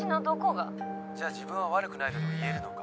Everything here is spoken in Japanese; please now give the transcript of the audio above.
じゃあ自分は悪くないとでも言えるのか？